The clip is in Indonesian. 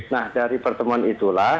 nah dari pertemuan itulah